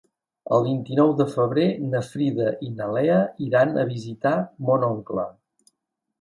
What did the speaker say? El vint-i-nou de febrer na Frida i na Lea iran a visitar mon oncle.